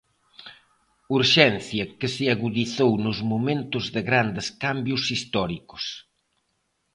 Urxencia que se agudizou nos momentos de grandes cambios históricos.